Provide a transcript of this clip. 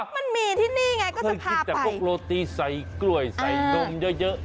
มันมีที่นี่ไงก็จะกินแต่พวกโรตีใส่กล้วยใส่นมเยอะ